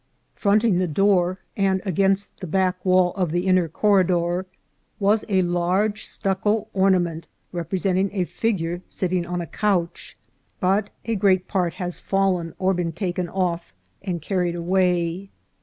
355 Fronting the door, and against the back wall of the inner corridor, was a large stucco ornament represent ing a figure sitting on a couch ; but a great part has fallen or been taken off and carried away.